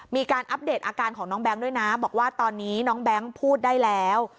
อัปเดตอาการของน้องแบงค์ด้วยนะบอกว่าตอนนี้น้องแบงค์พูดได้แล้ว